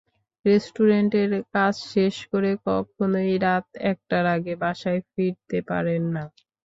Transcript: রেস্টুরেন্টের কাজ শেষ করে কখনই রাত একটার আগে বাসায় ফিরতে পারেন না।